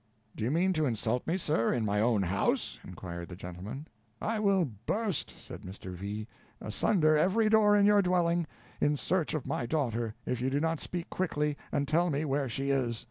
"Do you mean to insult me, sir, in my own house?" inquired the gentleman. "I will burst," said Mr. V., "asunder every door in your dwelling, in search of my daughter, if you do not speak quickly, and tell me where she is.